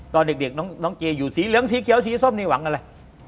ตอนเด็กน้องเจอยู่สีเหลืองสีเขียวสีส้มนี่หวังอะไร